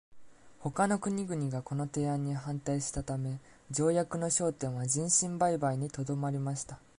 他の国々がこの提案に反対したため、条約の焦点は人身売買にとどまりました。